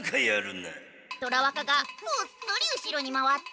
虎若がこっそり後ろに回って。